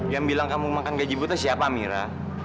yang bilang kamu makan gaji buta siapa mira